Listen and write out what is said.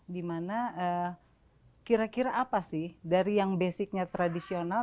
dimana kira kira apa sih dari yang basicnya tradisional